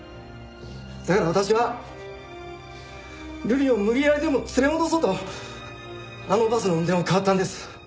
だから私はルリを無理やりでも連れ戻そうとあのバスの運転を代わったんです。